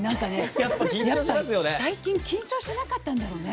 やっぱ、最近緊張してなかったんだろうね